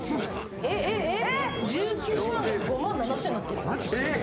えっえっえっ、１９万が５万７０００円になってるよ。